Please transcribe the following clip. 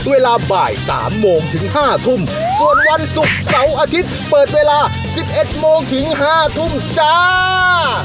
เวลาบ่ายสามโมงถึง๕ทุ่มส่วนวันศุกร์เสาร์อาทิตย์เปิดเวลา๑๑โมงถึง๕ทุ่มจ้า